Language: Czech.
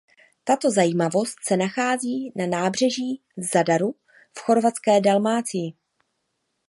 Tato zajímavost se nachází na nábřeží v Zadaru v chorvatské Dalmácii.